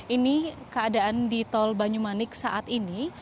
ini keadaan di tol banyumanik saat ini